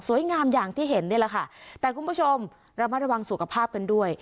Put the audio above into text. งามอย่างที่เห็นนี่แหละค่ะแต่คุณผู้ชมระมัดระวังสุขภาพกันด้วย